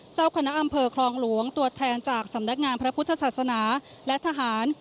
เจ้าคณะอำเภอคลองหลวงตัวแทนจากสำนักงานพระพุทธศาสนาและทหาร